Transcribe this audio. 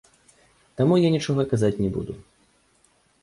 Таму я нічога казаць не буду.